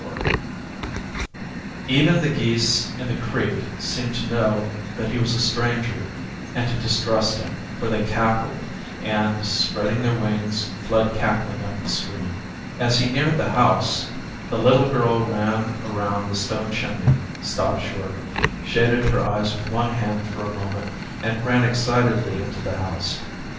IV Even the geese in the creek seemed to know that he was a stranger and to distrust him, for they cackled and, spreading their wings, fled cackling up the stream. As he neared the house, the little girl ran around the stone chimney, stopped short, shaded her eyes with one hand for a moment and ran excitedly into the house.